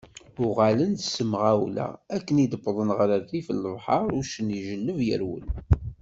Uγalen-d s temγawla, akken i d-wwḍen γer rrif n lebḥeṛ, uccen ijelleb yerwel.